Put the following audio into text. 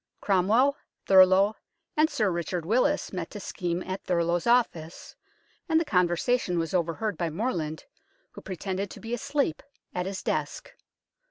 Cromwell, Thurloe, and Sir Richard Willis met to scheme at Thurloe's office, and the conver sation was overheard by Morland, who pretended to be asleep at his desk.